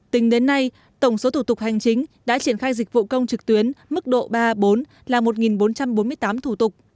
tính đến nay tổng số thủ tục hành chính đã triển khai dịch vụ công trực tuyến mức độ ba bốn là một bốn trăm bốn mươi tám thủ tục